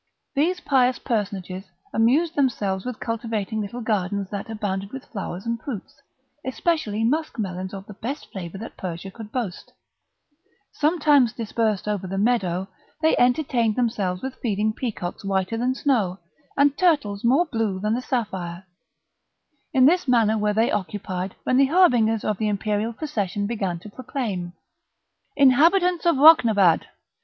These pious personages amused themselves with cultivating little gardens that abounded with flowers and fruits, especially musk melons of the best flavour that Persia could boast; sometimes dispersed over the meadow, they entertained themselves with feeding peacocks whiter than snow, and turtles more blue than the sapphire; in this manner were they occupied when the harbingers of the imperial procession began to proclaim: "Inhabitants of Rocnabad!